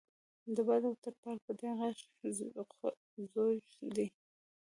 د باد او ترپال په دې غږ ځوږ کې.